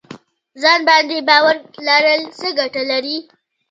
ځان باندې باور لرل څه ګټه لري؟